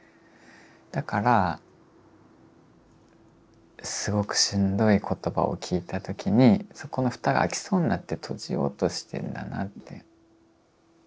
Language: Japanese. だからすごくしんどい言葉を聞いた時にそこの蓋が開きそうになって閉じようとしてんだなって。